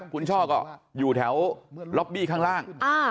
คุณช่อก็อยู่แถวล็อบบี้ข้างล่าง